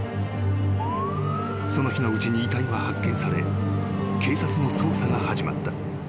［その日のうちに遺体は発見され警察の捜査が始まった］